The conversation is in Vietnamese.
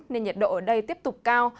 nên nhiệt độ ở đây tiếp tục cao